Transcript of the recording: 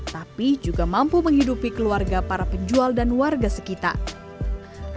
tapi juga mampu menghidupi keluarga para penjual dan warga sekitar